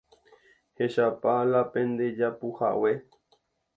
Hechápa la pendejapuhague